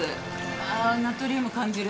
あナトリウム感じる。